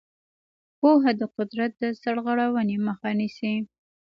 پوهه د قدرت د سرغړونې مخه نیسي.